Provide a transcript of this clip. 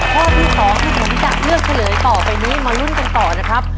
ข้อที่๒ที่ผมจะเลือกเฉลยต่อไปนี้มาลุ้นกันต่อนะครับ